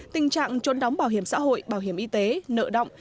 tình trạng trốn đóng bảo hiểm xã hội bảo hiểm y tế nợ động